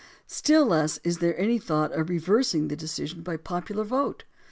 Still less is there any thought of reversing the decision by a popular vote.